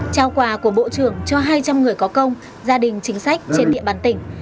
trao quà của bộ trưởng cho hai trăm linh người có công gia đình chính sách trên địa bàn tỉnh